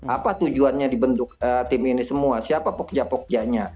apa tujuannya dibentuk tim ini semua siapa pogja pokjanya